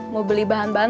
mau beli bahan bahan